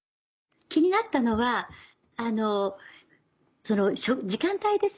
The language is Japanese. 気になったのは時間帯ですね。